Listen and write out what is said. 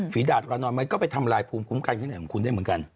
ฝีดาดกว่านอนมันก็ไปทำลายภูมิคุ้มกันของคุณได้เหมือนกัน